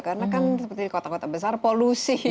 karena kan seperti kota kota besar polusi itu